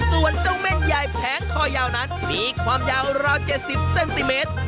ส่วนเจ้าเม่นใหญ่แผงคอยาวนั้นมีความยาวราว๗๐เซนติเมตร